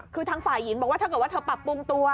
คือทางฝ่ายหญิงบอกว่าถ้าเกิดว่าเธอปรับปรุงตัว